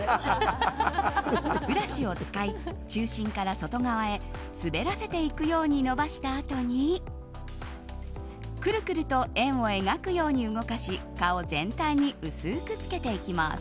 ブラシを使い中心から外側へ滑らせていくように伸ばしたあとにクルクルと円を描くように動かし顔全体に薄くつけていきます。